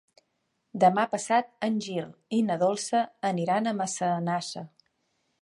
Demà passat en Gil i na Dolça aniran a Massanassa.